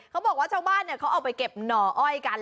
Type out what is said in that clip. เขาบอกว่าช่องบ้านเขาออกไปเก็บหนส์อ้อยกัน